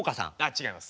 違います。